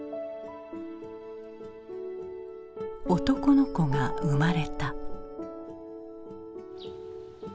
男の子が生まれた。